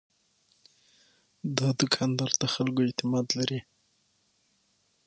دا دوکاندار د خلکو اعتماد لري.